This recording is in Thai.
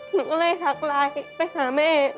หนูก็เลยทักไลน์ไปหาแม่